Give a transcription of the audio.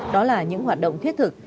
đó là những hoạt động thiết thực